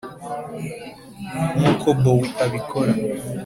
nkuko bowie abikora